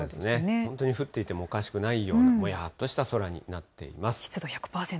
本当に降っていてもおかしくないようなもやっとした空になってい湿度１００％。